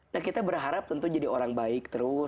nah kita berharap tentu jadi orang baik terus